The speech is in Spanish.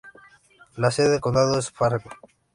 La sede del condado es Fargo.